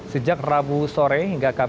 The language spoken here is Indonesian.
sejak rabu sore hingga hari ini